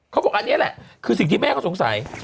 เขาบอกอันนี้แหละคือสิ่งที่แม่เขาสงสัย